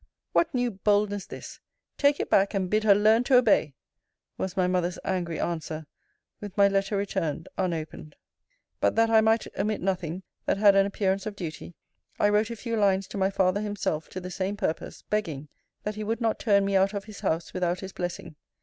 'What new boldness this! Take it back; and bid her learn to obey,' was my mother's angry answer, with my letter returned, unopened. But that I might omit nothing, that had an appearance of duty, I wrote a few lines to my father himself, to the same purpose; begging, that he would not turn me out of his house, without his blessing.